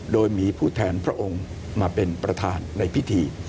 โดยมีผู้แทนพระองค์มาเป็นประธานในพิธี